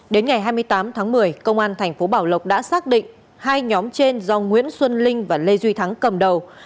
đến ngày hai mươi tám tháng một mươi công an thành phố bảo lộc đã xác định hai nhóm trên do nguyễn xuân linh và lê duy thắng cầm đầu